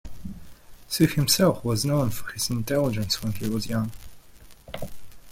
Su himself was known for his intelligence when he was young.